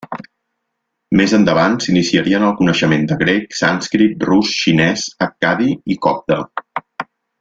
Més endavant s'iniciaria en el coneixement de grec, sànscrit, rus, xinès, accadi i copte.